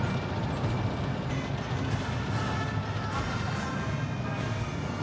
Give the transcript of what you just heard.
kri sembilan pindad